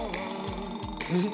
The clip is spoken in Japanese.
えっ？